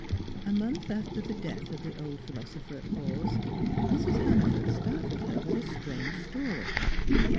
A month after the death of the old philosopher at Hawes, Mrs. Hannaford startled her with a strange story.